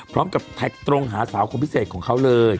แท็กตรงหาสาวคนพิเศษของเขาเลย